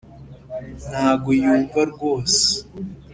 ntago yumva rwose